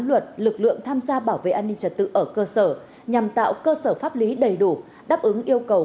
luật lực lượng tham gia bảo vệ an ninh trật tự ở cơ sở nhằm tạo cơ sở pháp lý đầy đủ đáp ứng yêu cầu